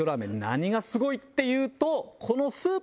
何がすごいっていうと。